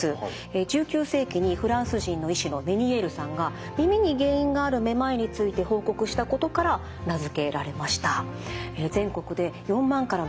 １９世紀にフランス人の医師のメニエールさんが耳に原因があるめまいについて報告したことから名付けられました。